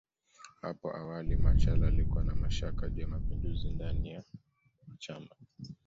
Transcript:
Hapo awali Machel alikuwa na mashaka juu ya mapinduzi ndani ya chama